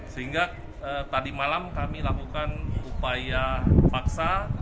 sehingga tadi malam kami lakukan upaya paksa